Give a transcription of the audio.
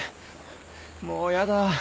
もうやだ。